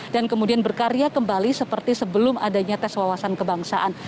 dan kemudian berkarya kembali seperti sebelum adanya tes wawasan kebangsaan